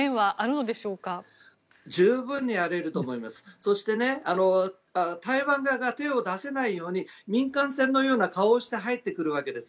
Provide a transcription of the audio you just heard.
そして台湾側が手を出せないように民間船のような顔をして入ってくるわけです。